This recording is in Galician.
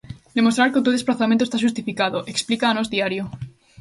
Demostrar que o teu desprazamento está xustificado, explica a Nós Diario.